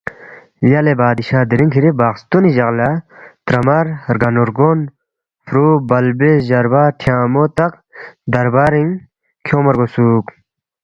یلے بادشاہ دِرِنگ یری بخستونی جق لہ ترامر رگَن رگون فرُو بلبِس جربا ٹھیانگمونگ تک دِرِنگ دربارِنگ کھیونگما رگوسُوک